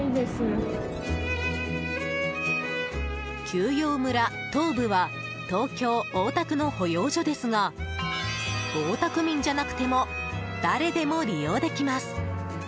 休養村とうぶは東京・大田区の保養所ですが大田区民じゃなくても誰でも利用できます。